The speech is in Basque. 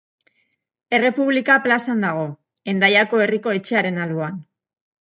Errepublika plazan dago, Hendaiako herriko etxearen alboan.